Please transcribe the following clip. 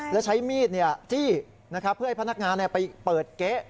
แล้วใช้มีดจี้นะครับเพื่อให้พนักงานไปเปิดเก๊ะ